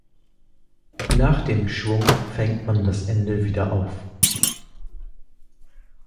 Nach dem Schwung fängt man das Ende wieder auf.